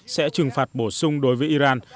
sẽ trừng phạt bổ sung đối với iran